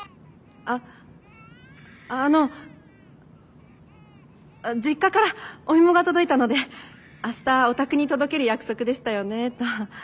あっあの実家からお芋が届いたので明日お宅に届ける約束でしたよねと。